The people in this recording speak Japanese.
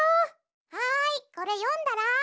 はいこれよんだら！